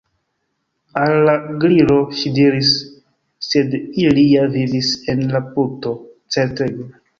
Al la Gliro ŝi diris: "Sed ili ja vivis en la puto. Certege! »